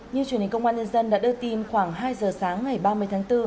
như truyền hình công an nhân dân đã đưa tin khoảng hai giờ sáng ngày ba mươi tháng bốn